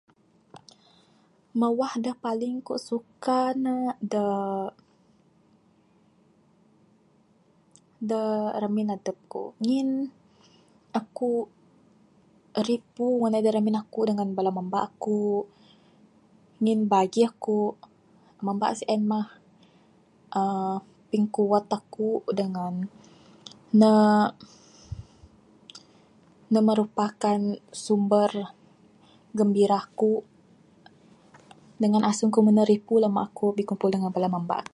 Mawah da paling ku suka ne da...da ramin adep ku ngin aku ripu nganai da ramin aku dangan mamba ku ngin bagi aku mamba sien mah uhh pingkuat aku dangan ne...ne merupakan sumber gembira ku dangan aseng aku mene ripu lama aku bikumpul dangan mamba aku.